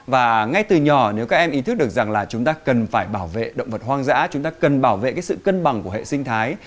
và ngay từ nhỏ nếu các em ý thức được rằng là chúng ta cần phải bảo vệ động vật hoang dã chúng ta cần bảo vệ cái sự cân bằng của hệ sinh thái